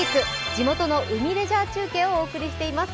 地元の海レジャー中継」をお送りしています。